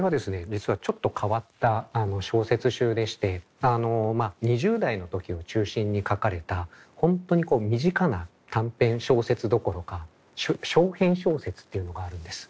実はちょっと変わった小説集でして２０代の時を中心に書かれた本当に身近な短編小説どころか掌編小説っていうのがあるんです。